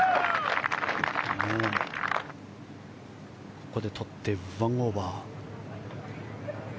ここでとって１オーバーでした。